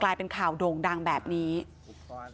แต่คุณผู้ชมค่ะตำรวจก็ไม่ได้จบแค่ผู้หญิงสองคนนี้